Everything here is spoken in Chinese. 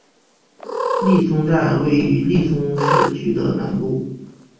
利松站位于利松市区的南部。